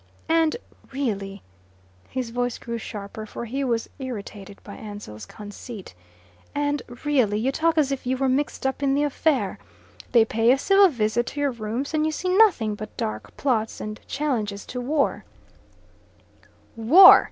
And, really," his voice grew sharper, for he was irritated by Ansell's conceit, "and, really, you talk as if you were mixed up in the affair. They pay a civil visit to your rooms, and you see nothing but dark plots and challenges to war." "War!"